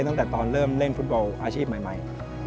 ตั้งแต่ตอนเริ่มเล่นฟุตบอลอาชีพใหม่